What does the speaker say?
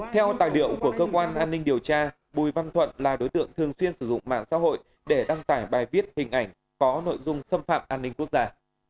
theo tài liệu của cơ quan an ninh điều tra bùi văn thuận là đối tượng thường xuyên sử dụng mạng xã hội để đăng tải bài viết hình ảnh có nội dung xâm phạm an ninh quốc gia